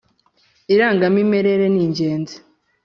Irangamimerere ningenzi.